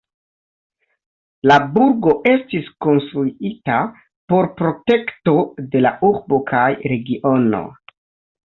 La burgo estis konstruita por protekto de la urbo kaj regiono.